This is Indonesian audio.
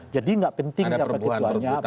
jadi gak penting siapa itu aja